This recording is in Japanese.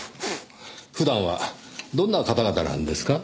普段はどんな方々なんですか？